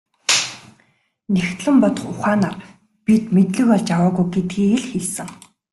Нягтлан бодох ухаанаар бид мэдлэг олж аваагүй гэдгийг л хэлсэн.